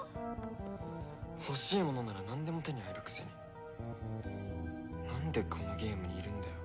欲しいものならなんでも手に入るくせになんでこのゲームにいるんだよ。